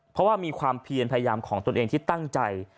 เพราะว่ามีความเพียรพยายามของตนเองที่ตั้งใจ